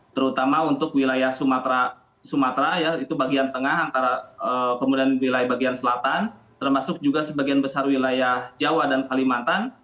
terutama untuk wilayah sumatera ya itu bagian tengah antara kemudian wilayah bagian selatan termasuk juga sebagian besar wilayah jawa dan kalimantan